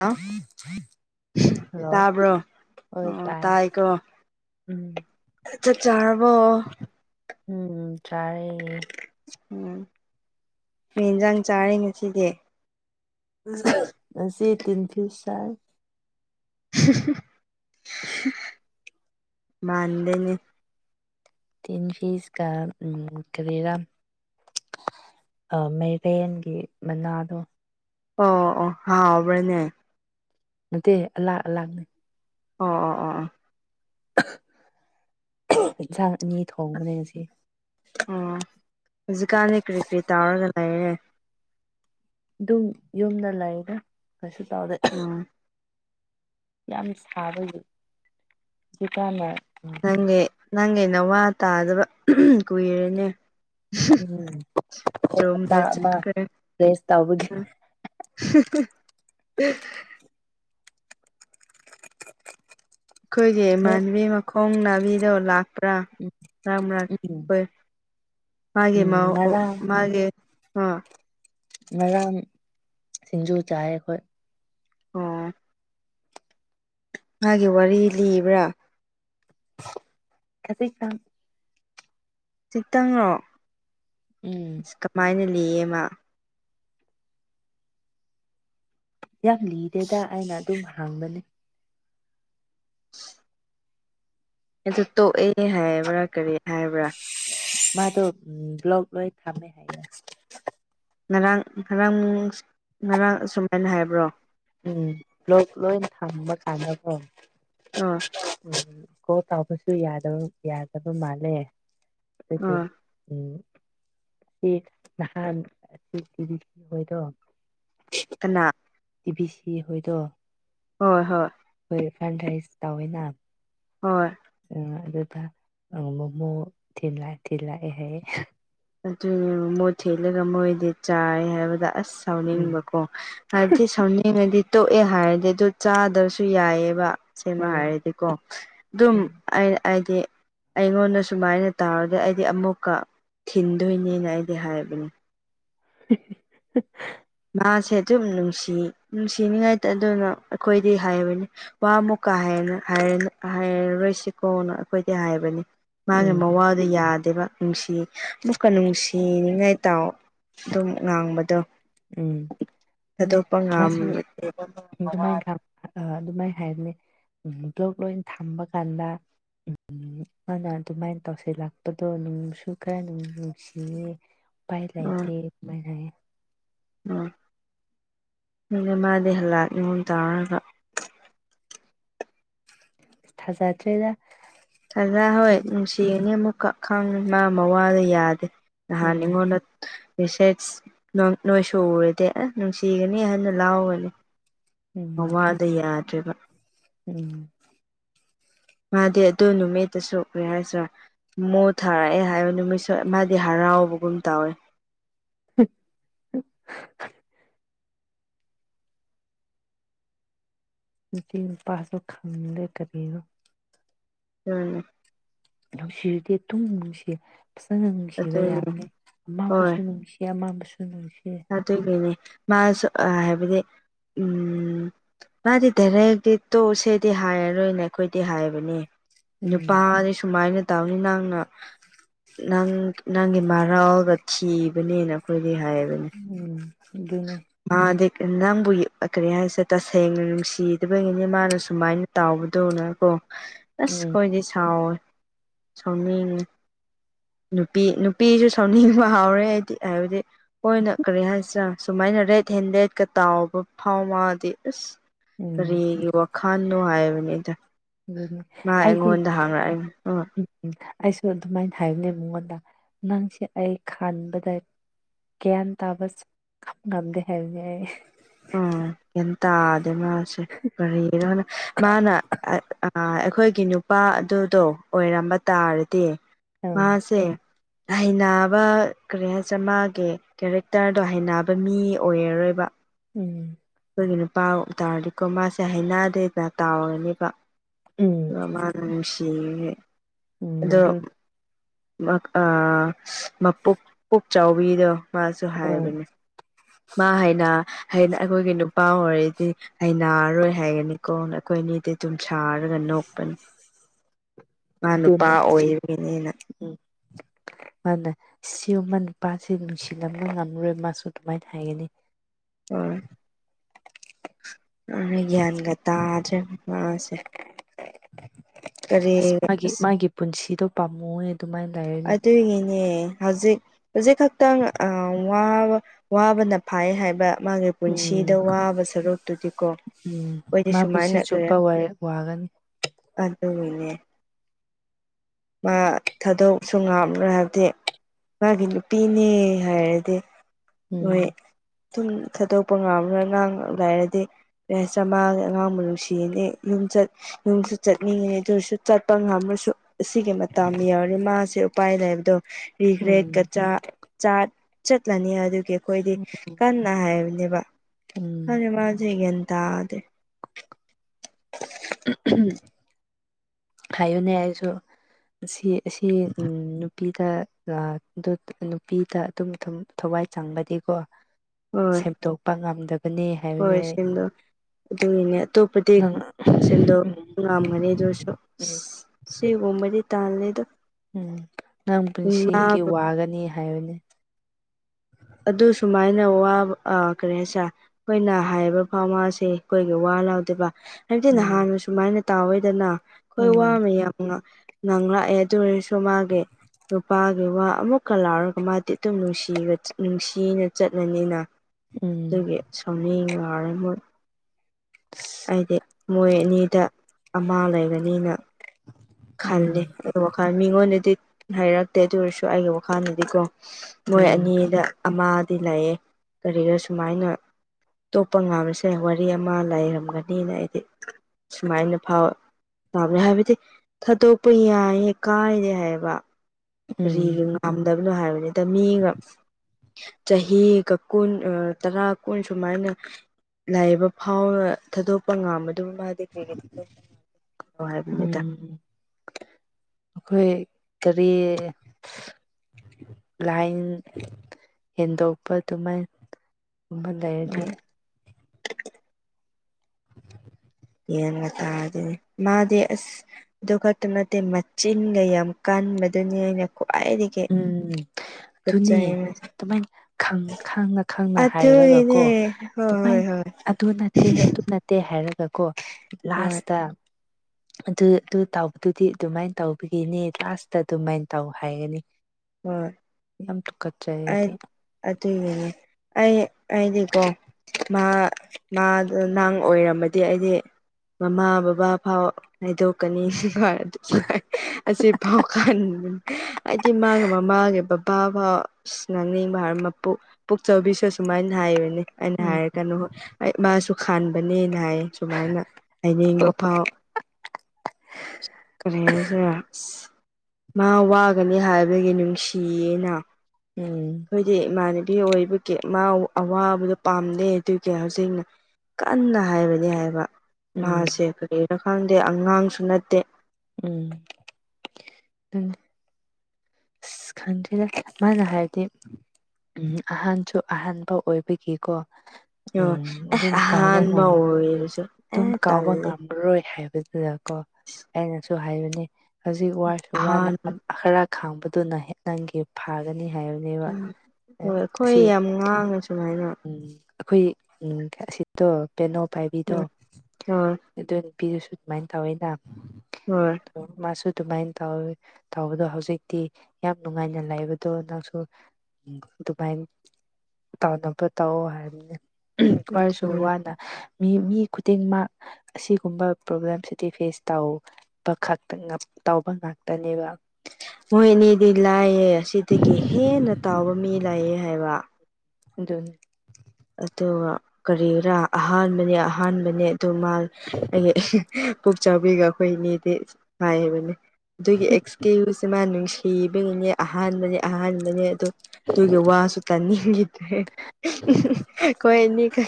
ꯑ ꯊ ꯊꯩꯠ ꯇꯥꯕ꯭ꯔꯣ ꯑꯣ ꯇꯥꯏ ꯇꯥꯏꯀꯣ ꯎꯝ ꯆꯠ ꯆꯥꯔꯕꯣ ꯎꯝ ꯆꯥꯔꯦ ꯎꯝ ꯌꯦꯟꯁꯥꯡ ꯆꯥꯔꯤ ꯉꯁꯤꯗꯤ ꯖꯦꯇꯤꯟ ꯐ꯭ꯌꯨꯁꯔ ꯍ ꯃꯥꯟꯗꯅꯦ ꯇꯤꯟ ꯐꯤꯤꯁ ꯀ ꯀꯦꯔꯥ ꯃꯔꯦꯟꯒꯤ ꯃꯅꯥꯗꯣ ꯑꯣ ꯑꯣ ꯍꯥꯎꯕꯅꯦ ꯅꯠꯇꯦ ꯑꯂꯥꯛ ꯑꯂꯥꯛꯅꯤ ꯑꯣ ꯑꯣ ꯑꯣ ꯑꯣ ꯏꯟꯁꯥꯡ ꯑꯅꯤ ꯊꯣꯡꯕꯅꯦ ꯉꯁꯤ ꯑꯣ ꯍꯧꯖꯤꯛꯀꯥꯟꯗꯤ ꯀꯔꯤ ꯀꯔꯤ ꯇꯧꯔꯒ ꯂꯩꯔꯦ ꯑꯗꯨꯝ ꯌꯨꯝꯗ ꯂꯩꯔꯦ ꯀꯩꯁꯨ ꯇꯥꯎꯗꯦ ꯎꯝ ꯌꯥꯝ ꯁꯥꯕꯁꯦ ꯍꯧꯀꯥꯟꯅ ꯅꯪꯒꯤ ꯅꯪꯒꯤꯩꯅꯋꯥ ꯇꯥꯗꯕ ꯀꯨꯏꯔꯦꯅꯦ ꯎꯝ ꯍꯞꯇꯥ ꯆꯣꯅ ꯑꯃ ꯆꯠꯀ꯭ꯔꯦ ꯔꯦꯁ ꯇꯧꯕꯒꯤ [unintelligible] ꯑꯩꯈꯣꯏꯒꯤ ꯎꯝ ꯏꯃꯥꯟꯕꯤ ꯃꯈꯣꯡ ꯅꯥꯕꯤꯗꯣ ꯂꯥꯛꯄ ꯃꯔꯥꯛ ꯃꯔꯥꯛ ꯎꯝ ꯑꯩꯈꯣꯏ ꯃꯥꯒꯤ ꯎꯝ ꯉꯔꯥꯡ ꯃꯥꯒꯤ ꯍꯥ ꯉꯔꯥꯡ ꯁꯤꯡꯖꯨ ꯆꯥꯏ ꯑꯩꯈꯣꯏ ꯑꯣ ꯃꯥꯒꯤ ꯋꯥꯔꯤ ꯂꯤꯕ꯭ꯔꯥ ꯀꯁ ꯀꯝ ꯆꯇꯪꯔꯣ ꯎꯝ ꯑ ꯀꯃꯥꯏꯅ ꯂꯤꯌꯦꯃ ꯌꯥꯝ ꯂꯤꯗꯦꯗ ꯑꯩꯅ ꯑꯗꯨꯝ ꯍꯥꯡꯕꯅꯦ ꯍ ꯑꯗ ꯇꯣꯛꯑꯦ ꯍꯥꯏꯕ꯭ꯔꯥ ꯀꯔꯤ ꯍꯥꯏꯕ꯭ꯔꯥ ꯃꯥꯥꯏ ꯇꯣ ꯎ ꯂꯣꯏ ꯊꯝꯦ ꯍꯥꯏꯅ ꯉꯔꯥꯡ ꯉꯔꯥꯡ ꯉꯔꯥꯡ ꯑꯁꯨꯃꯥꯏꯅ ꯍꯥꯏꯕ꯭ꯔꯣ ꯎꯝꯣꯛ ꯂꯣꯏ ꯊꯕ ꯀꯥꯟꯣ ꯑ ꯎꯝ ꯀꯣ ꯇꯥꯎꯕꯁꯨ ꯌꯥꯗꯕ ꯌꯥꯗꯕ ꯃꯥꯜꯂꯦ ꯑꯗꯨꯗꯤ ꯑꯣ ꯎꯝ ꯁꯤ ꯅꯍꯥꯟ ꯑꯁꯤ ꯀꯤꯕꯤ ꯑꯣꯏꯣꯏꯗꯣ ꯑꯅꯥ ꯇꯤꯚꯤ ꯁꯤ ꯍꯣꯏꯗꯣ ꯍꯣꯏ ꯍꯣꯏ ꯑꯩꯈꯣꯏ ꯐ꯭ꯔꯥꯟꯇꯥꯏꯁ ꯇꯧꯋꯦꯅ ꯍꯣꯏ ꯑꯗꯨꯗ ꯃꯣꯃꯣ ꯊꯤꯂꯑꯦ ꯊꯤꯂꯥꯛꯑꯦ ꯍꯥꯏꯌꯦ ꯑꯗꯨꯅꯦ ꯃ ꯃꯣꯠ ꯊꯦꯠꯂꯒ ꯃꯣꯏꯗꯤ ꯆꯥꯏ ꯍꯥꯏꯕꯗ ꯑꯁ ꯎꯝ ꯁꯥꯎꯅꯤꯡꯕꯀꯣ ꯍꯥꯏꯕꯗꯤ ꯁꯥꯎꯅꯤꯡꯉꯗꯤ ꯇꯣꯛꯑꯦ ꯍꯥꯏꯔꯗꯤ ꯑꯗꯨ ꯆꯥꯗ꯭ꯔꯁꯨ ꯌꯥꯏꯑꯕ ꯁꯤꯃ ꯎꯝ ꯍꯥꯏꯔꯗꯤꯀꯣ ꯑꯗꯨꯝ ꯎꯝ ꯍꯥꯏꯗꯤ ꯑꯩꯉꯣꯟꯗ ꯁꯨꯃꯥꯏꯅ ꯇꯧꯔꯗꯤ ꯑꯩꯗꯤ ꯑꯃꯨꯛꯀ ꯊꯤꯟꯗꯣꯏꯅꯦꯅ ꯑꯩꯗꯤ ꯍꯥꯏꯕꯅꯦ ꯎ ꯍ ꯃꯥꯁꯦ ꯑꯗꯨꯝ ꯅꯨꯡꯁꯤ ꯅꯨꯡꯁꯤꯅꯤꯉꯥꯏꯇ ꯑꯗꯨꯅ ꯑꯩꯈꯣꯏꯗꯤ ꯍꯥꯏꯕꯅꯤ ꯋꯥ ꯑꯃꯨꯛꯀꯥ ꯍꯥꯏꯔꯔꯣꯏꯁꯤꯀꯣꯅ ꯑꯩꯈꯣꯏꯗꯤ ꯍꯥꯏꯕꯅꯤ ꯃꯥꯒꯤ ꯃꯋꯥꯗꯣ ꯌꯥꯗꯦꯕ ꯅꯨꯡꯁꯤ ꯑꯃꯨꯛꯀ ꯅꯨꯡꯁꯤ ꯅꯤꯡꯉꯥꯏ ꯇꯥꯎꯑꯣ ꯑꯗꯨꯝ ꯉꯥꯡꯕꯗꯣ ꯎꯝ ꯃꯅꯦ ꯊꯥꯗꯣꯛꯄ ꯃꯥꯁꯨ ꯉꯝꯗꯦꯕ ꯃꯋꯥꯗꯣ ꯑꯗꯨꯃꯥꯏꯈꯥ ꯑ ꯑꯗꯨꯃꯥꯏꯅ ꯍꯥꯏꯕꯅꯤ ꯎ ꯞ ꯂꯣꯏ ꯊꯝꯕ ꯀꯥꯟꯗ ꯎꯝ ꯃꯥꯅ ꯑꯗꯨꯃꯥꯏꯅ ꯇꯧꯁꯤꯜꯂꯛꯄꯗꯣ ꯅꯨꯡꯁꯨ ꯈꯔ ꯅꯨꯡ ꯅꯨꯡꯁꯤꯌꯦ ꯄꯥꯏ ꯎꯝ ꯂꯥꯏꯇꯦ ꯃꯥꯏ ꯎꯝ ꯑꯗꯨ ꯃꯥꯗꯤ ꯍꯂꯥꯛ ꯅꯤꯉꯣꯝ ꯆꯥꯔꯒ ꯊ ꯆꯥ ꯗꯔꯦꯗ ꯁꯖꯥ ꯍꯣꯏ ꯅꯨꯡꯁꯤꯒꯅꯤ ꯑꯃꯨꯛꯀꯛ ꯈꯪꯉꯤ ꯃꯥ ꯃꯋꯥꯗ ꯌꯥꯗꯦ ꯅꯍꯥꯟ ꯎꯝ ꯑꯩꯉꯣꯟꯗ ꯦ ꯅꯣꯏ ꯁꯨꯔꯗꯤ ꯑ ꯅꯨꯡꯁꯤꯒꯅꯤ ꯍꯥꯏꯅ ꯂꯥꯎꯒꯅꯤ ꯑ ꯎꯝ ꯋꯥꯗ ꯌꯥꯗ꯭ꯔꯦꯕ ꯎꯝ ꯃꯥꯗꯤ ꯑꯗꯨ ꯅꯨꯃꯤꯠꯇ ꯁꯣꯛꯈ꯭ꯔꯦ ꯍꯥꯏꯁꯤꯔꯥ ꯃꯣ ꯊꯥꯔꯛꯑꯦ ꯍꯥꯏꯕ ꯅꯨꯃꯤꯠꯁꯨ ꯃꯥꯗꯤ ꯍꯔꯥꯎꯕꯒꯨꯝ ꯇꯧꯋꯦ [inaudible] ꯄꯥꯥꯁ ꯈꯪꯗꯦ ꯀꯔꯤꯅ ꯎꯝ ꯅꯨꯡꯁꯤꯔꯗꯤ ꯇꯨꯝ ꯅꯨꯡꯁꯤ ꯐꯖꯅ ꯅꯨꯡꯁꯤꯕ ꯑꯗꯨꯅꯤ ꯌꯥꯕꯅꯤ ꯑꯃꯕꯨꯁꯨ ꯅꯨꯡꯁꯤꯌꯦ ꯑꯃꯕꯨꯁꯨ ꯅꯨꯡꯁꯤꯌꯦ ꯑꯗꯨꯏꯒꯤꯅꯦ ꯃꯥꯁꯨ ꯍꯥꯏꯕꯗꯤ ꯎꯝ ꯃꯥꯗꯤ ꯗꯥꯏꯔꯦꯛꯇꯤ ꯇꯣꯛꯎꯁꯦꯗꯤ ꯍꯥꯏꯔꯔꯣꯏꯅ ꯑꯩꯈꯣꯏꯗꯤ ꯍꯥꯏꯕꯅꯦ ꯎꯝ ꯅꯨꯄꯥꯗꯤ ꯁꯨꯃꯥꯏꯅ ꯇꯧꯏ ꯅꯪꯅ ꯅꯪ ꯅꯪꯒꯤ ꯃꯔꯜꯗ ꯊꯤꯕꯅꯦꯅ ꯑꯩꯈꯣꯏꯗꯤ ꯍꯥꯏꯕꯅꯦ ꯎꯝ ꯑꯗꯨꯅ ꯃꯥꯗꯤ ꯅ ꯅꯪꯕꯨ ꯀꯔꯤ ꯍꯥꯏꯁꯦ ꯇꯁꯦꯡꯅ ꯅꯨꯡꯁꯤꯗꯕꯒꯤꯅꯤ ꯃꯥꯅ ꯁꯨꯃꯥꯏꯅ ꯇꯥꯎꯕꯗꯧꯅꯀꯣ ꯑꯁ ꯎꯝ ꯈꯣꯏꯗꯤ ꯁꯥꯎꯋꯦ ꯁꯥꯎꯅꯤꯡꯉꯦ ꯅꯨꯄꯤ ꯅꯨꯄꯤꯁꯨ ꯁꯥꯎꯅꯤꯡꯕ ꯍꯥꯎꯔꯦ ꯍꯥꯏꯗꯤ ꯍꯥꯏꯕꯗꯤ ꯍꯣꯏꯅ ꯀꯔꯤ ꯍꯥꯏꯁꯤꯔꯥ ꯁꯨꯃꯥꯏꯅ ꯔꯦꯠ ꯍꯦꯟꯗꯦꯗꯀ ꯇꯥꯎꯕ ꯐꯥꯎ ꯃꯥꯗꯤ ꯑꯁ ꯎꯝ ꯀꯔꯤꯒꯤ ꯋꯥ ꯈꯥꯟ ꯅꯨꯡꯉꯥꯏꯌꯦꯕꯅꯤꯗ ꯑꯩꯗꯤ ꯍꯣꯏ ꯑꯩꯁꯨ ꯑꯗꯨꯃꯥꯏꯅ ꯍꯥꯏꯕꯅꯦ ꯃꯉꯣꯟꯗ ꯅꯪꯁꯦ ꯑꯩ ꯈꯥꯟꯕꯗ ꯒ꯭ꯌꯥꯟ ꯇꯥꯕꯁ ꯉꯝꯗ ꯍꯥꯏ ꯌꯥ ꯎꯝ ꯀꯩ ꯇꯥꯗꯦ ꯃꯥꯁꯦ ꯀꯔꯤꯅꯣꯅ ꯃꯥꯅ ꯑꯩꯈꯣꯏꯒꯤ ꯅꯨ ꯅꯨꯄꯥ ꯑꯗꯨꯗꯣ ꯑꯣꯏꯔꯝꯕ ꯇꯥꯔꯗꯤ ꯑꯪ ꯃꯥꯁꯦ ꯍꯩꯅꯕ ꯀꯔꯤ ꯍꯥꯏꯁꯤꯔ ꯃꯥꯒꯤ ꯀꯦꯔꯦꯛꯇꯔꯗꯣ ꯍꯩꯅꯕ ꯃꯤ ꯑꯣꯏꯔꯔꯣꯏꯕ ꯎꯝ ꯑꯩꯈꯣꯏꯒꯤ ꯅꯨꯄꯥ ꯇꯥꯔꯗꯤꯀꯣ ꯃꯥꯁꯦ ꯍꯅꯗꯦꯗꯅ ꯇꯥꯎꯔꯅꯦꯕ ꯎꯝ ꯃꯥꯅ ꯅꯨꯡꯁꯤ ꯎꯝ ꯑꯗꯣ ꯑꯗꯨ ꯃ ꯑꯥ ꯃꯄꯨꯛ ꯄꯨꯛ ꯆꯥꯎꯕꯤꯗꯣ ꯃꯥꯁꯨ ꯑꯥ ꯍꯥꯏꯕꯅꯦ ꯃꯥ ꯍꯥꯏꯅ ꯍꯩꯅ ꯑꯩꯈꯣꯏꯒꯤ ꯅꯨꯄꯥ ꯑꯣꯏꯔꯗꯤ ꯍꯩꯅꯔꯔꯣꯏ ꯍꯥꯏꯒꯅꯤꯀꯣ ꯑꯩꯈꯣꯏ ꯑꯅꯤꯗꯤ ꯊꯨꯝꯁꯥꯔ ꯔꯒ ꯅꯣꯛꯄꯅꯤ ꯃꯥ ꯅꯨꯄꯥ ꯑꯗꯨꯅꯦ ꯑꯣꯏꯕꯒꯤꯅꯦꯅ ꯎꯝ [inaudible] ꯃꯥꯅ ꯁꯤ ꯃꯥ ꯅꯨꯄꯥꯁꯤ ꯅꯨꯡꯁꯤꯂꯝꯕ ꯉꯝꯃꯔꯣꯏ ꯃꯥꯁꯨ ꯑꯗꯨꯃꯥꯏꯅ ꯍꯥꯏꯒꯅꯤ ꯎꯝ ꯒ꯭ꯌꯥꯟꯒ ꯇꯥꯗ꯭ꯔꯦ ꯃꯥꯁꯦ ꯀꯔꯤ ꯑꯁ ꯃꯥꯒꯤ ꯑꯁ ꯃꯥꯒꯤ ꯄꯨꯟꯁꯤꯗꯣ ꯄꯥꯝꯃꯣꯏ ꯑꯗꯨꯃꯥꯏꯅ ꯂꯩꯔꯛ ꯑꯗꯨꯒꯤꯅꯦ ꯍꯧꯖꯤꯛ ꯍꯧꯖꯤꯛ ꯈꯛꯇꯪ ꯋꯥꯕꯅ ꯐꯥꯏ ꯍꯥꯏꯕ ꯃꯥꯒꯤ ꯄꯨꯟꯁꯤꯗ ꯎꯝ ꯋꯥꯕ ꯁꯔꯨꯛꯇꯨꯗꯤ ꯀꯣ ꯎꯝ ꯑꯩꯗꯤ ꯃꯥ ꯄꯨꯟꯁꯤ ꯁꯨꯃꯥꯏꯅ ꯅꯈ꯭ꯔꯦ ꯆꯨꯞꯄ ꯋꯥꯒꯅꯤ ꯑꯗꯨꯗꯨꯅꯦ ꯃꯥ ꯊꯥꯗꯣꯛꯁꯨ ꯉꯥꯛ ꯍꯥꯏꯕꯗꯤ ꯃꯥꯒꯤ ꯅꯨꯄꯤꯅꯦ ꯍꯥꯏꯔꯗꯤ ꯍꯣꯏ ꯎꯝ ꯗꯨꯝ ꯊꯥꯗꯣꯛꯄ ꯉꯝꯔꯣꯏ ꯉꯥꯡ ꯂꯥꯏꯔꯗꯤ ꯌꯥꯏꯁ ꯆꯝꯃꯥꯒ ꯑꯉꯥꯡ ꯃꯔꯅꯨꯡꯁꯤꯅꯦ ꯌꯨꯝꯆꯠ ꯌꯨꯝꯁꯨ ꯆꯠꯅꯤꯡꯉꯦ ꯑꯗꯨ ꯑꯣꯏꯔꯁꯨ ꯆꯠꯄ ꯉꯝꯔꯁꯨ ꯑꯁꯤꯒꯤ ꯃꯇꯥ ꯌꯧꯔꯤ ꯃꯥꯁꯦ ꯎꯄꯥꯏ ꯂꯩ ꯍꯥꯏꯕꯗꯣ ꯔꯤꯒ꯭ꯔꯦꯠꯀ ꯎꯝ ꯆꯥ ꯆꯥ ꯆꯠꯂꯅꯤ ꯑꯗꯨꯒꯤ ꯑꯩꯈꯣꯏꯗꯤ ꯀꯟꯅ ꯍꯥꯏꯕꯅꯦꯕ ꯎꯝ [inaudible] ꯃꯥꯁꯦ ꯒꯌ꯭ꯥꯟ ꯇꯥꯗꯦ ꯎꯝ ꯍꯥꯏꯌꯨꯅꯦ ꯑꯩꯁꯨ ꯑꯁꯤ ꯑꯁꯤ ꯅꯨꯄꯤꯗ ꯅꯨꯄꯤꯗ ꯑꯗꯨꯝ ꯊꯋꯥꯏ ꯆꯪꯕꯗꯤꯀꯣ ꯍꯣꯏ ꯇꯣꯛꯄ ꯉꯝꯗꯕꯅꯤ ꯍꯥꯏꯕꯅꯤ ꯍꯣꯏ ꯑꯩ ꯁꯦꯝꯗꯣ ꯑꯗꯨꯒꯤꯅꯦ ꯑꯇꯣꯞꯄꯗꯤ ꯅꯪ ꯁꯦꯝꯗꯣꯛ ꯎꯝ ꯉꯝꯒꯅꯤ ꯑꯗꯨ ꯑꯣꯏꯔꯁꯨ ꯎꯝ ꯁꯤ ꯨꯝꯕꯗꯤ ꯇꯥꯦꯗ ꯎꯝ ꯅꯪ ꯄꯨꯟꯁꯤ ꯀ ꯋꯥꯒꯅꯤ ꯍꯥꯏꯕꯅꯤ [unintelligible] ꯑꯗꯨ ꯁꯨꯃꯥꯏꯅ ꯋꯥꯕ ꯀꯔꯤꯁꯦ ꯑꯩꯈꯣꯏꯅ ꯍꯥꯏꯔꯤꯕ ꯐꯥꯃꯁꯦ ꯑꯩꯈꯣꯏꯒꯤ ꯋꯥ ꯂꯥꯎꯗꯕ ꯍꯥꯏꯕꯗꯤ ꯎꯝ ꯅꯍꯥꯟꯅ ꯁꯨꯃꯥꯏꯅ ꯇꯥꯎꯋꯦꯗꯅ ꯑꯩꯈꯣꯏ ꯋꯥ ꯎꯝ ꯑꯃ ꯌꯥꯝ ꯉꯥꯡꯪꯂꯛꯑꯦ ꯑꯗꯨ ꯑꯣꯏꯔꯁꯨ ꯁꯣ ꯃꯥꯒꯤ ꯅꯨꯄꯥꯒꯤ ꯋꯥ ꯑꯃꯨꯛꯀ ꯂꯥꯎꯔꯒ ꯃꯥꯗꯤ ꯑꯗꯨꯨꯝ ꯅꯨꯡꯁꯤꯒꯁꯤ ꯅꯨꯡꯁꯤꯅ ꯆꯠꯂꯅꯤꯅ ꯎꯝ ꯑꯗꯨꯒꯤ ꯁꯥꯎꯃꯦ ꯉꯥꯔ ꯃꯣꯏ ꯍꯥꯏꯗꯤ ꯃꯣꯏ ꯑꯅꯤꯗ ꯑꯃ ꯂꯩꯔꯅꯤꯅ [inaudible] ꯈꯜꯂꯦ ꯑꯩꯒꯤ ꯋꯥꯈꯜ ꯃꯤꯉꯣꯟꯗꯗꯤ ꯍꯥꯏꯔꯛꯇꯦ ꯑꯗꯨ ꯑꯣꯏꯔꯁꯨ ꯑꯩꯒꯤ ꯋꯥꯈꯜꯗꯗꯤ ꯀꯣ ꯎꯝ ꯃꯣꯏ ꯎꯝ ꯑꯅꯤꯗ ꯑꯃꯗꯤ ꯂꯩꯑ ꯀꯔꯤꯒ ꯁꯨꯃꯥꯏꯅ ꯑꯇꯣꯞꯄ ꯉꯃꯤꯁꯦ ꯋꯥꯔꯤ ꯑꯃ ꯂꯩꯔꯝꯒꯅꯤꯅ ꯑꯩꯗꯤ ꯁꯨꯃꯥꯏꯅ ꯐꯥꯎꯋ ꯇꯥꯕꯅꯦ ꯍꯥꯏꯕꯗꯤ ꯊꯥꯗꯣꯛꯄ ꯌꯥꯏꯌꯦ ꯀꯥꯏꯔꯦ ꯍꯥꯏꯕ ꯎꯝ ꯀꯔꯤꯒ ꯉꯥꯝꯗꯕꯅꯣ ꯍꯥꯏꯕꯅꯤꯗ ꯃꯤꯒ ꯆꯍꯤꯒ ꯀꯨꯟ ꯇꯔꯥ ꯀꯨꯟ ꯁꯨꯃꯥꯏꯅ ꯂꯥꯏꯏꯕ ꯐꯥꯎꯅ ꯊꯥꯗꯣꯛꯄ ꯉꯝꯝꯕꯗꯨ ꯃꯥꯗꯤ ꯀꯔꯤꯒꯤ ꯊꯥꯗꯣꯛꯄ ꯉꯝꯗꯦꯅꯣ ꯍꯥꯏꯕꯅꯤꯗ ꯎꯝ ꯑꯩꯈꯣꯏ ꯀꯔꯤ ꯂꯥꯏꯟ ꯍꯦꯟꯗꯣꯛꯄ ꯑꯗꯨꯃꯥꯏꯅ ꯝꯕꯗ ꯍꯥꯏꯗꯤ ꯑꯣ [inaudible] ꯌꯦꯟꯒ ꯇꯥꯔ ꯑꯗꯨꯅꯦ ꯃꯥꯗꯤ ꯑꯁ ꯑꯗꯨ ꯈꯛꯇ ꯅꯠꯇꯦ ꯃꯆꯤꯟꯒ ꯌꯥꯝ ꯀꯟꯕꯗꯨꯅꯤ ꯑꯩꯅ ꯈ꯭ꯋꯥꯏꯗꯒꯤ ꯎꯝ ꯑꯗꯨꯨꯅꯦ ꯇꯨꯀꯠꯆꯩ ꯑꯗꯨꯃꯥꯏꯅ ꯈꯪꯅ ꯈꯪꯅ ꯍꯥꯏꯔꯒ ꯑꯗꯨꯒꯤꯅꯦ ꯀꯣ ꯍꯣꯏ ꯍꯣꯏ ꯑꯗꯨꯃꯥꯏꯅ ꯍꯣꯏ ꯑꯗꯨ ꯅꯠꯇꯦ ꯑꯗꯨ ꯅꯠꯇꯦ ꯍꯥꯏꯔꯒꯀꯣ ꯍꯣꯏ ꯂꯥꯁꯇ ꯑꯗꯨ ꯑꯗꯨ ꯇꯧꯕꯗꯨꯗꯤ ꯑꯗꯨꯃꯥꯏꯅ ꯇꯧꯕꯒꯤꯅꯦ ꯀ꯭ꯂꯥꯁꯇ ꯑꯗꯨꯃꯥꯏꯅ ꯇꯧ ꯍꯥꯏꯒꯅꯤ ꯍꯝ ꯌꯥꯝ ꯇ ꯀꯗꯤ ꯑꯗꯨꯏꯒꯤꯅꯦ ꯑꯩ ꯑꯩꯗꯤꯀꯣ ꯃꯥ ꯃꯥꯗ ꯅꯪ ꯑꯣꯏꯔꯝꯃꯗꯤ ꯑꯩꯗꯤ ꯃꯃꯥ ꯕꯕꯥ ꯐꯥꯎ ꯍꯥꯏꯗꯣꯛꯀꯅꯤ ꯁꯃꯥꯏ ꯁꯨꯃꯥꯏꯅ ꯑꯁꯤ ꯐꯥꯎ ꯀ ꯍꯥꯏꯗꯤ ꯃꯥꯒ ꯃꯃꯥꯒ ꯕꯕꯥꯕꯥ ꯏꯁ ꯉꯥꯡꯅꯤꯡꯕꯔ ꯃꯄꯨ ꯄꯨꯛꯆꯧꯕꯤꯁꯨ ꯑꯨꯃꯥꯏꯅ ꯍꯥꯏꯕꯅꯤ ꯑꯩꯅ ꯎꯝ ꯍꯥꯏꯔꯛꯦ ꯀꯩꯅꯣ ꯑꯩ ꯃꯥꯁꯨ ꯈꯥꯟꯕꯅꯦꯅ ꯍꯥꯏ ꯁꯨꯃꯥꯏꯅ ꯍꯥꯏꯅꯤꯡꯕ ꯐꯥꯎ ꯀꯦꯁ ꯃꯥ ꯋꯥꯒꯅꯤ ꯍꯥꯏꯕꯒꯤ ꯅꯨꯡꯁꯤꯌꯦꯅ ꯎꯝ ꯑꯩꯈꯣꯏꯗꯤ ꯏꯃꯥꯟꯅꯕꯤ ꯑꯣꯏꯕꯒꯤ ꯃꯥ ꯑꯋꯥꯕꯗꯣ ꯄꯥꯝꯗꯩ ꯑꯗꯨꯒꯤ ꯍꯧꯖꯤꯛꯅ ꯀꯟꯅ ꯍꯥꯏꯕꯅꯤ ꯍꯥꯏꯕ ꯎꯝ ꯃꯥꯁꯦ ꯀꯔꯤꯔꯥ ꯈꯪꯗꯦ ꯑꯉꯥꯡꯁꯨ ꯅꯠꯇꯦ ꯎꯝ ꯎ ꯑꯁ ꯈꯪꯗ꯭ꯦꯗ ꯃꯥꯅ ꯍꯥꯏꯔꯗꯤ ꯎꯝ ꯑꯍꯟꯁꯨ ꯑꯍꯥꯟꯕ ꯑꯣꯏꯕꯒꯤꯀꯣ ꯑꯣ ꯎꯝ ꯑꯦ ꯑꯗꯨꯝ ꯀꯥꯎꯕ ꯑꯍꯥꯟꯕ ꯑꯣꯏꯔꯁꯨ ꯑꯗꯨꯝ ꯑꯦ ꯀꯥꯎꯕ ꯇꯜꯂꯦ ꯉꯝꯃꯔꯣꯏ ꯍꯥꯏꯕꯗꯨꯗ ꯀ ꯑꯩꯅꯁꯨ ꯍꯥꯏꯕꯅꯤ ꯍꯧꯖꯤꯛ ꯋꯥꯁꯨ ꯋꯥꯅ ꯑꯍꯥꯟꯕ ꯈꯔ ꯈꯥꯡꯕꯗꯨꯅ ꯍ ꯅꯪꯒꯤ ꯐꯥꯒꯅꯤ ꯍꯥꯏꯔ ꯕ ꯍꯣꯏ ꯑꯩꯈꯣꯏ ꯑꯁꯤ ꯌꯥꯝ ꯉꯥꯡꯉꯦ ꯁꯨꯃꯥꯏꯅ ꯎꯝ ꯑꯩꯈꯣꯏ ꯎ ꯑꯁꯤꯗꯣ ꯄꯕꯦꯅꯣ ꯄꯥꯏꯕꯤꯗꯣ ꯎꯝ ꯍꯣꯏ ꯑꯗꯨ ꯅꯨꯄꯤꯗꯨꯁꯨ ꯑꯗꯨꯃꯥꯏꯅ ꯇꯧꯋꯦꯅ ꯍꯣꯏ ꯃꯥꯁꯨ ꯑꯗꯨꯃꯥꯏꯅ ꯇꯧꯋꯤ ꯇꯧꯕꯗꯣ ꯍꯧꯖꯤꯛꯇꯤ ꯌꯥꯝ ꯅꯨꯡꯉꯥꯏꯅ ꯂꯩꯕꯗꯣ ꯅꯪꯁꯨ ꯑꯗꯨꯃꯥꯏꯅ ꯇꯧꯅꯕ ꯇꯧ ꯍꯥꯏꯕꯅꯦ ꯈꯔꯁꯨ ꯎꯝ ꯋꯥꯅ ꯃꯤ ꯃꯤ ꯈꯨꯗꯤꯡꯃꯛ ꯑꯁꯤꯒꯨꯝꯕ ꯄ꯭ꯔꯣꯕ꯭ꯂꯦꯝꯁꯤꯗꯤ ꯐꯦꯁ ꯇꯧꯕ ꯇꯧꯕ ꯉꯥꯛꯇꯅꯦꯕ ꯃꯣꯏ ꯑꯅꯤꯗꯤ ꯂꯥꯏꯑꯦ ꯑꯁꯤꯗꯒꯤ ꯍꯦꯟꯅ ꯇꯥꯎꯕ ꯃꯤ ꯂꯥꯏꯑ ꯍꯥꯏꯕ ꯑꯗꯨꯅꯤ ꯑꯗꯨꯒ ꯀꯔꯤꯔꯥ ꯑꯍꯥꯟꯕꯅꯦ ꯑꯍꯥꯟꯕꯅꯦ ꯑꯗꯨ ꯃꯥ ꯑꯩ ꯄꯨꯛ ꯆ ꯆꯥꯎꯕꯤꯒ ꯑꯩꯈꯣꯏ ꯏꯅꯤꯗꯤ ꯍꯥꯏꯥꯏꯕꯅꯦ ꯑꯗꯨꯒꯤ ꯑꯦꯛꯁꯀ꯭ꯌꯨꯁꯁꯦ ꯃꯥ ꯁꯤ ꯊꯤꯕꯅꯤꯅꯦ ꯑꯍꯥꯟꯕꯅꯦ ꯑꯍꯥꯟꯕꯅꯦ ꯑꯗꯨ ꯑꯗꯨꯒꯤ ꯋꯥꯁꯨ ꯇꯥꯅꯤꯡꯈꯤꯗ꯭ꯔꯦ ꯀꯣꯏ ꯅ ꯀꯥꯏ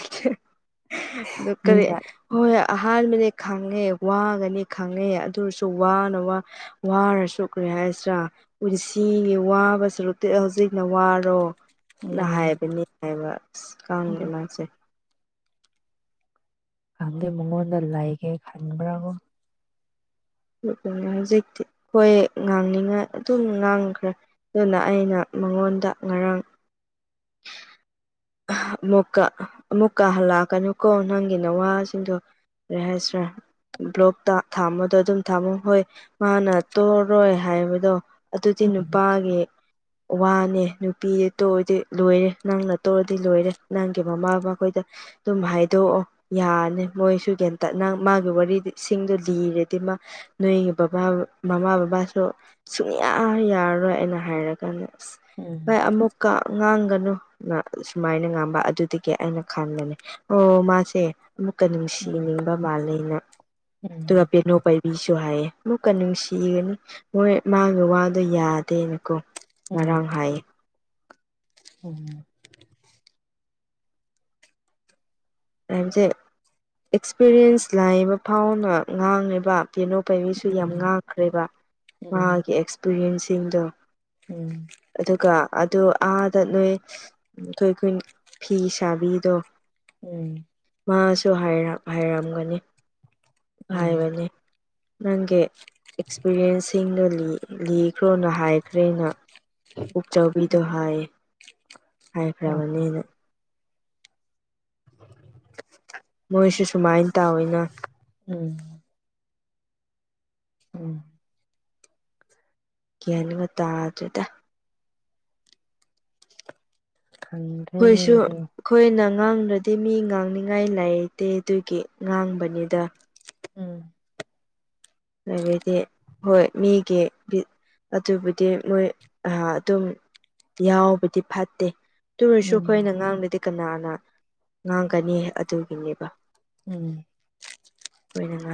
ꯅꯨꯔꯤ ꯍꯣꯏ ꯃꯤꯅ ꯍꯣꯏ ꯑꯍꯥꯟꯕꯗꯤ ꯈꯪꯉꯦ ꯋꯥꯒꯅꯤ ꯈꯪꯉꯦ ꯑꯗꯨꯔꯁꯨ ꯋꯥꯅ ꯋꯥ ꯋꯥꯔ ꯁꯣꯛꯈ꯭ꯔꯦ ꯍꯥꯏꯁꯤꯔꯥ ꯄꯨꯟꯁꯤꯒꯤ ꯋꯥꯕꯕꯁꯤꯔꯨꯇꯤ ꯍꯧꯖꯤꯛꯅ ꯋꯥꯔꯣ ꯅ ꯎꯝ ꯍꯥꯏꯕꯅꯤ ꯍꯥꯏꯕ ꯑꯁ ꯀꯥꯡꯦ ꯑꯗꯨ ꯃꯥꯁꯦ ꯈꯪꯗꯦ ꯃꯉꯣꯟꯗ ꯂꯩꯒꯦ ꯈꯟꯕ꯭ꯔꯥꯕ ꯍꯧꯖꯤꯛꯇꯤ ꯍꯈꯣꯏ ꯉꯥꯡꯅꯤꯡꯉꯥꯏ ꯑꯗꯨꯝ ꯉꯥꯡꯈ꯭ꯔꯦ ꯑꯗꯨꯅ ꯑꯩꯅ ꯃꯉꯣꯟꯗ ꯉꯔꯥꯡ ꯑꯃꯨꯛꯀ ꯑꯃꯨꯛꯀ ꯍꯜꯂꯛꯀꯅꯨꯀꯣ ꯅꯪꯒꯤ ꯅꯋꯥꯁꯤꯡꯗꯣ ꯔꯦꯍꯥꯏ ꯁꯔ ꯕ꯭ꯂꯣꯛꯇ ꯊꯥꯝꯕꯗꯣ ꯑꯗꯨꯝ ꯊꯥꯝꯃꯣ ꯍꯣꯏ ꯃꯥꯅ ꯇꯧꯔꯣꯏ ꯍꯥꯏꯕꯗꯣ ꯑꯗꯨꯗꯤ ꯎꯝ ꯅꯨꯄꯥꯒꯤ ꯋꯥꯅꯦ ꯅꯨꯄꯤꯗꯨ ꯇꯣꯗꯤ ꯂꯣꯏꯔꯦ ꯅꯪꯅ ꯐ ꯇꯧꯔꯗꯤ ꯂꯣꯏꯔꯦ ꯅꯪꯒꯤ ꯃꯃꯥꯕꯕꯥꯈꯣꯏꯗ ꯑꯗꯨꯝ ꯍꯥꯏꯗꯣꯛꯑꯣ ꯌꯥꯔꯅꯤ ꯃꯣꯏꯁꯨꯒꯦꯟ ꯇꯠꯅ ꯃꯥꯒꯤ ꯋꯥꯔꯤꯁꯤꯡꯗꯣ ꯂꯤꯔꯗꯤ ꯃꯥ ꯅꯣꯏꯒꯤ ꯕꯕꯥ ꯃꯃꯥ ꯕꯕꯥꯁꯨ ꯁꯨꯡꯌꯥ ꯌꯥꯔꯔꯣꯏ ꯍꯥꯏꯅ ꯍꯥꯏꯔꯒꯅꯦ ꯑꯁ ꯎꯝ ꯚꯥꯏ ꯑꯃꯨꯛꯀ ꯉꯥꯡꯒꯅꯨ ꯁꯨꯃꯥꯏꯅ ꯉꯥꯡꯝꯕ ꯑꯗꯨꯗꯒꯤ ꯑꯩꯅ ꯈꯟꯕꯅꯦ ꯑꯣ ꯃꯥꯁꯦ ꯑꯃꯨꯛꯀ ꯎꯝ ꯅꯨꯡꯁꯤꯅꯤꯡꯕ ꯃꯥꯂꯦꯩꯅ ꯑꯗꯨꯒ ꯎꯝ ꯄꯦꯅꯨꯄꯩ ꯕꯤꯁꯨ ꯍꯥꯏꯌꯦ ꯃꯀ ꯅꯨꯡꯁꯤꯒꯅꯤ ꯃꯣꯏ ꯃꯥꯒꯤ ꯋꯥꯗꯣ ꯌꯥꯗꯦꯅꯀꯣ ꯎꯝ ꯉꯔꯥꯡ ꯍꯥꯏꯌꯦ ꯎꯝ ꯍꯥꯏꯕꯁꯦ ꯑꯦꯛꯁꯄꯤꯔꯤꯌꯦꯟꯁ ꯂꯥꯛꯏꯕ ꯐꯥꯎꯅ ꯉꯥꯡꯉꯤꯕ ꯇꯦꯅꯣ ꯄꯥꯏꯕꯤꯁꯨ ꯌꯥꯝ ꯎꯝ ꯉꯥꯛꯈ꯭ꯔꯦꯕ ꯎꯝ ꯃꯥꯒꯤ ꯑꯦꯛꯁꯄꯤꯔꯤꯟꯁꯁꯤꯡꯗꯣ ꯎꯝ ꯑꯗꯨꯒ ꯑꯗꯨ ꯑꯥꯗ ꯅꯣꯏ ꯑꯩꯈꯣꯏ ꯑꯩꯈꯣꯏ ꯐꯤ ꯁꯥꯕꯤꯗꯣ ꯎꯝ ꯃꯥꯁꯨ ꯍꯥꯏꯔꯝꯒꯅꯤ ꯍꯥꯏꯕꯅꯤ ꯅꯪꯒꯤ ꯑꯦꯛꯁꯄꯤꯔꯤꯌꯦꯟꯁꯁꯤꯡꯗꯣ ꯂꯤꯈ꯭ꯔꯣꯅ ꯍꯥꯏꯈ꯭ꯔꯦꯅ ꯄꯨ ꯄꯨꯛꯆꯕꯤꯗꯣ ꯍꯥꯏ ꯎꯝ ꯍꯥꯏꯈ꯭ꯔꯕꯅꯤꯅ [unintelligible] ꯃꯣꯏꯁꯨ ꯁꯨꯃꯥꯏꯅ ꯇꯧꯋꯤꯅ ꯎꯝ ꯎꯝ ꯭ꯌꯥꯟꯕ ꯇꯥꯗ꯭ꯔꯗ ꯑꯩꯈꯣꯏꯁꯨ ꯍꯗꯔꯤ ꯑꯩꯈꯣꯏꯅ ꯉꯥꯡꯅ꯭ꯔꯗꯤ ꯃꯤ ꯉꯥꯡꯅꯤꯡꯉꯥꯏ ꯂꯩꯇꯦ ꯑꯗꯨꯒꯤ ꯉꯥꯡꯕꯅꯤꯗ ꯎꯝ [unintelligible] ꯍꯣꯏ ꯃꯤꯒꯤ ꯑꯗꯨꯕꯨꯗꯤ ꯃꯣꯏ ꯑꯥ ꯑꯗꯨꯝ ꯌꯥꯎꯕꯗꯤ ꯐꯠꯇꯦ ꯇꯨꯑꯣꯏꯔꯁꯨ ꯑꯩꯈꯣꯏꯅ ꯎꯝ ꯉꯥꯡꯗꯗꯤ ꯀꯅꯥꯅ ꯉꯥꯡꯒꯅꯤ ꯑꯗꯨꯒꯤꯅꯦꯕ ꯎꯝ [inaudible]